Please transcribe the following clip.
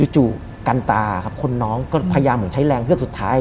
จู่กันตาครับคนน้องก็พยายามเหมือนใช้แรงเฮือกสุดท้าย